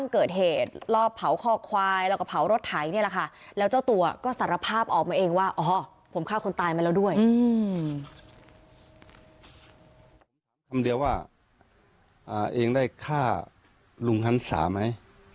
ฆ่าลุงฮันศาไหม